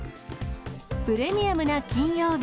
プレミアムな金曜日。